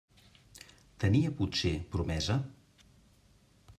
Tenia, potser, promesa?